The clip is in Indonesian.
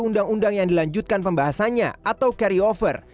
undang undang yang dilanjutkan pembahasannya atau carry over